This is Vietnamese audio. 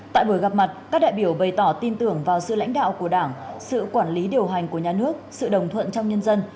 tại buổi gặp mặt các đại biểu bày tỏ tin tưởng vào sự lãnh đạo của đảng sự quản lý điều hành của nhà nước sự đồng thuận trong nhân dân